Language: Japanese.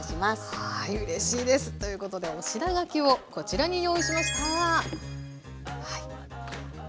はいうれしいです。ということでお品書きをこちらに用意しました！